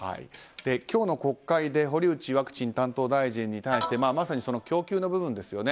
今日の国会で堀内ワクチン担当大臣に対してまさにその供給の部分ですよね。